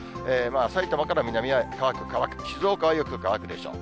さいたまから南は乾く、乾く、静岡はよく乾くでしょう。